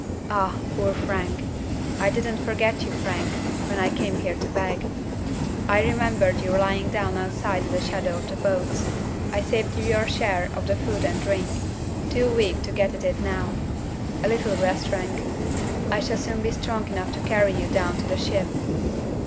"Ah! poor Frank. I didn't forget you, Frank, when I came here to beg. I remembered you lying down outside in the shadow of the boats. I saved you your share of the food and drink. Too weak to get at it now! A little rest, Frank! I shall soon be strong enough to carry you down to the ship."